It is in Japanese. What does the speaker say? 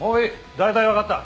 大体わかった。